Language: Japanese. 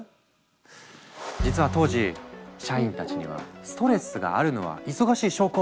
実は当時社員たちには「ストレスがあるのは忙しい証拠！